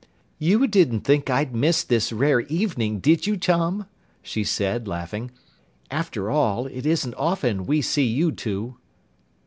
"You didn't think I'd miss this rare evening, did you, Tom?" she said, laughing. "After all, it isn't often we see you two."